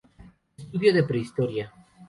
Estudio de Prehistoria".